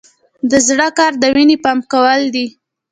د زړه کار د وینې پمپ کول دي